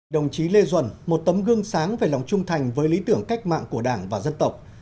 đồng chí lê duẩn một tấm gương sáng về lòng trung thành với lý tưởng cách mạng của đảng và dân tộc